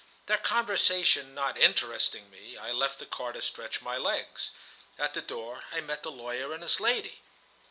Their conversation not interesting me, I left the car to stretch my legs. At the door I met the lawyer and his lady.